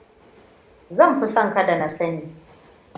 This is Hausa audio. Zan fi son kada na sani.